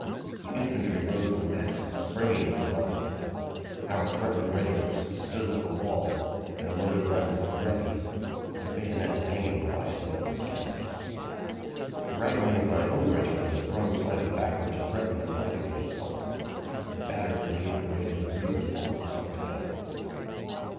The infantry rose in masses, springing into line. Our threatened regiments stood like a wall, their loaded rifles at "ready," their bayonets hanging quietly in the scabbards. The right wing of my own regiment was thrown slightly backward to threaten the flank of the assault. The battered brigade away to the rear pulled itself together.